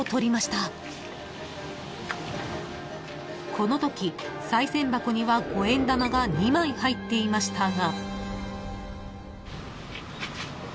［このときさい銭箱には５円玉が２枚入っていましたが］